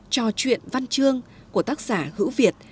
trò chuyện văn chương của tác giả hữu việt